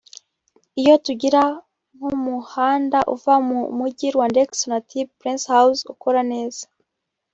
Iyo tugira nk’umuhanda uva mu Mujyi – Rwandex – Sonatube - Prince House ukora neza